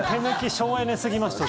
省エネすぎます